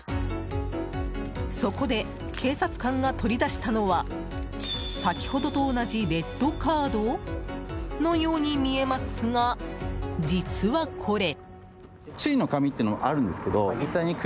そこで警察官が取り出したのは先ほどと同じレッドカードのように見えますが実はこれ。